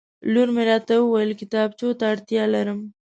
لور مې راته وویل کتابچو ته اړتیا لرم